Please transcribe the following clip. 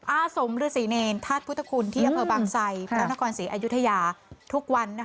อาสมฤษีเนรธาตุพุทธคุณที่อำเภอบางไซพระนครศรีอยุธยาทุกวัน